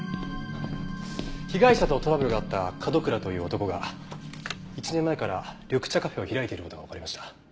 被害者とトラブルがあった角倉という男が１年前から緑茶カフェを開いている事がわかりました。